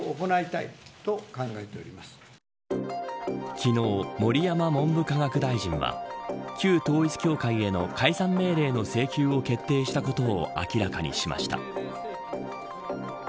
昨日、盛山文部科学大臣は旧統一教会への解散命令の請求を決定したことを明らかにしました。